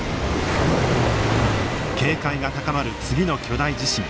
警戒が高まる次の巨大地震。